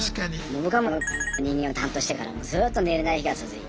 僕はの人間を担当してからずっと寝れない日が続いて。